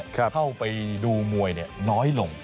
เข้าไปดูมวยน้อยลง